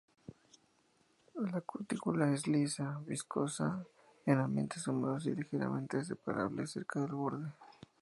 La cutícula es lisa, viscosa en ambientes húmedos y ligeramente separable cerca del borde.